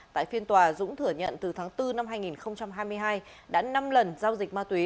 tại phiên tòa dũng thừa nhận từ tháng bốn năm hai nghìn hai mươi hai đã năm lần giao dịch ma túy